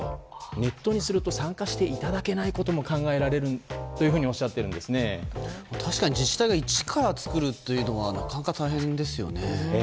ネットにすると参加していただけないことも考えられるというふうに確かに自治体が一から作るというのはなかなか大変ですよね。